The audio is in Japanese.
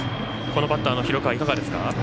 バッターの広川いかがですか？